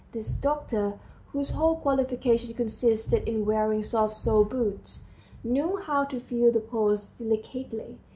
This doctor, whose whole qualification consisted in wearing soft soled boots, knew how to feel the pulse delicately.